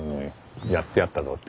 やってやったぞって。